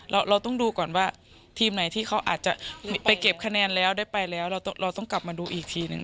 เราต้องดูก่อนว่าทีมไหนที่เขาอาจจะไปเก็บคะแนนแล้วได้ไปแล้วเราต้องกลับมาดูอีกทีนึง